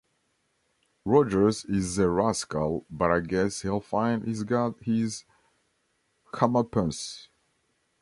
Rogers is a rascal, but I guess he'll find he's got his comeuppance.